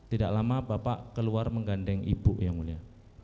tidak lama bapak keluar menggandeng ibu yang mulia